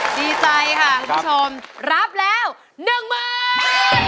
ดีใจค่ะคุณผู้ชมรับแล้ว๑๐๐๐๐บาท